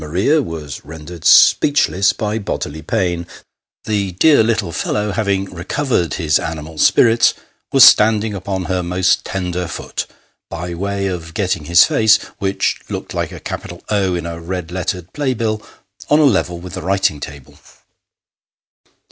Maria was rendered speechless by bodily pain. The dear little fellow, having recovered his animal spirits, was standing upon her most tender foot, by way of getting his face (which looked like a capital in a red lettered play bill) on a level with the wi'i ting table.